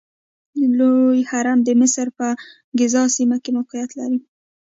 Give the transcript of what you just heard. لوی هرم د مصر په ګیزا سیمه کې موقعیت لري.